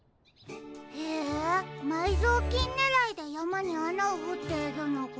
へえまいぞうきんねらいでやまにあなをほっているのか。